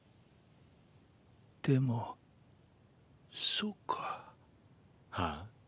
でもそうか。は？